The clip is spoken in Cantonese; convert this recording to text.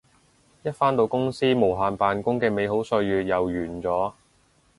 一返到公司無限扮工嘅美好歲月又完咗